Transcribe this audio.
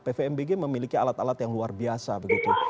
pvmbg memiliki alat alat yang luar biasa begitu